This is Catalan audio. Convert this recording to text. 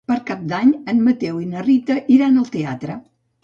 Per Cap d'Any en Mateu i na Rita iran al teatre.